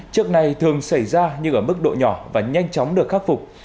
trước nay thường xảy ra nhưng ở mức độ nhỏ và nhanh chóng được khắc phục